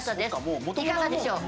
いかがでしょう？